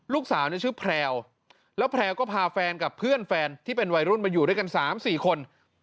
ลูกสาวเนี่ยชื่อแพลวแล้วแพลวก็พาแฟนกับเพื่อนแฟนที่เป็นวัยรุ่นมาอยู่ด้วยกัน๓๔คน